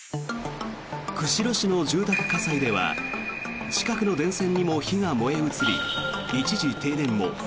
釧路市の住宅火災では近くの電線にも火が燃え移り一時、停電も。